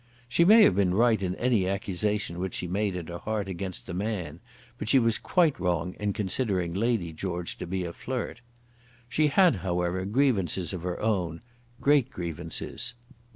She may have been right in any accusation which she made in her heart against the man, but she was quite wrong in considering Lady George to be a flirt. She had, however, grievances of her own great grievances.